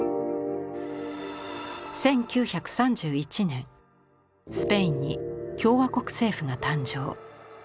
１９３１年スペインに共和国政府が誕生。